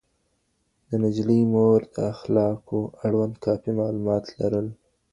د نجلۍ د مور د اخلاقو اړوند کافي معلومات لرل